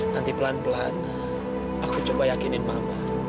nanti pelan pelan aku coba yakinin mama